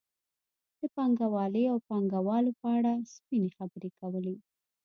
د پانګوالۍ او پانګوالو په اړه سپینې خبرې کولې.